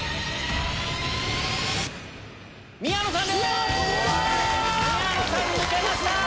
やった‼宮野さん抜けました！